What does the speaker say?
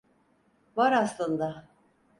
Var aslında.